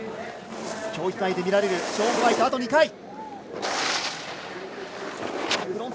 競技会で見られる、あと２回。